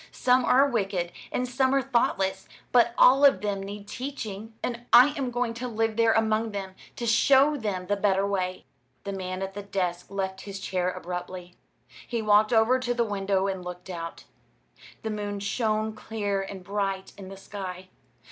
Some are wicked and some are thoughtless, but all of them need teaching. I am going to live there among them, to show them the better way." The man at the desk left his chair abruptly. He walked over to the window and looked out. The moon shone clear and bright in the sky.